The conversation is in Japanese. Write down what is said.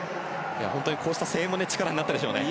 本当にこうした声援も力になったでしょうね。